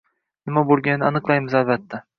Nima bo`lganini aniqlaymiz, albatta